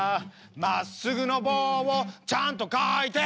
「まっすぐの棒をちゃんと描いて！」